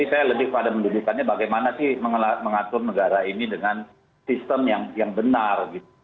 saya lebih pada menunjukkannya bagaimana sih mengatur negara ini dengan sistem yang benar